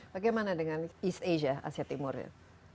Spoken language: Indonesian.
bagaimana dengan east asia timur ya